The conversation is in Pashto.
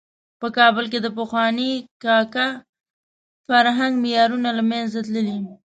په کابل کې د پخواني کاکه فرهنګ معیارونه له منځه تللي.